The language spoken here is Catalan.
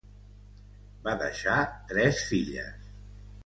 Va deixar tres filles: